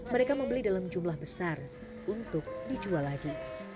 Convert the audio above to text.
mereka membeli dalam jumlah besar untuk dijual lagi